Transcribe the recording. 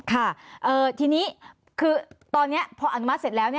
ค่ะทีนี้คือตอนนี้พออนุมัติเสร็จแล้ว